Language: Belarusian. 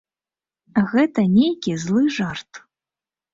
Гэта нейкі злы жарт.